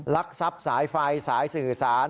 ลักทรัพย์สายไฟสายสื่อสาร